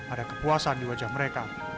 ada kepuasan di wajah mereka